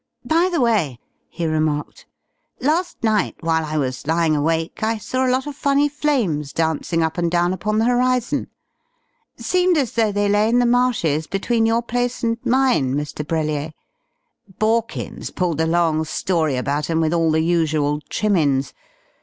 "By the way," he remarked, "last night, while I was lying awake I saw a lot of funny flames dancing up and down upon the horizon. Seemed as though they lay in the marshes between your place and mine, Mr. Brellier. Borkins pulled a long story about 'em with all the usual trimmin's.